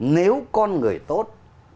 nếu con người tốt